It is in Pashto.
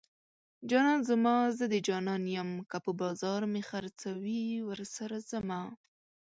جانان زما زه د جانان یم که په بازار مې خرڅوي ورسره ځمه